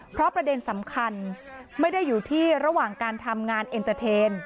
เพราะประเด็นสำคัญไม่ได้อยู่ที่ระหว่างการทำงานเอ็นเตอร์เทน